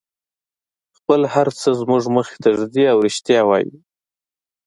خپل هر څه زموږ مخې ته ږدي او رښتیا وایي.